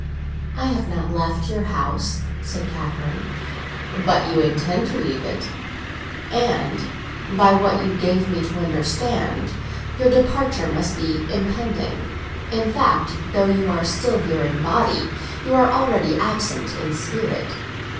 "I have not left your house!" said Catherine. "But you intend to leave it, and by what you gave me to understand, your departure must be impending. In fact, though you are still here in body, you are already absent in spirit.